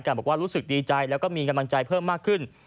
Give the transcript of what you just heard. บอกว่ารู้สึกดีใจแล้วก็มีกำลังใจเพิ่มมากขึ้น